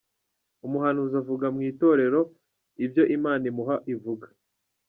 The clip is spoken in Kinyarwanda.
Umuhanuzi avuga mu Itorero ibyo Imana imuha ivuga.